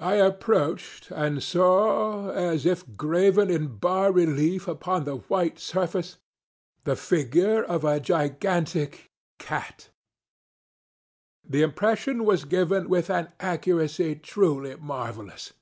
I approached and saw, as if graven in bas relief upon the white surface, the figure of a gigantic cat. The impression was given with an accuracy truly marvellous.